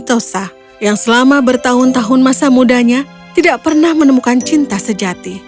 dia mencintai putri putri yang selama bertahun tahun masa mudanya tidak pernah menemukan cinta sejati